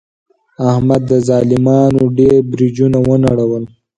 احمد د ظالمانو ډېر برجونه و نړول.